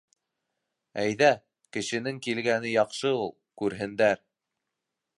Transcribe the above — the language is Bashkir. — Әйҙә, кешенең килгәне яҡшы ул. Күрһендәр.